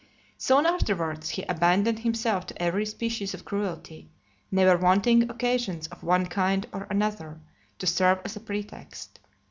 LXI. Soon afterwards, he abandoned himself to every species of cruelty, never wanting occasions of one kind or another, to serve as a pretext.